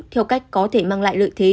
theo cách có thể mang lại lợi thế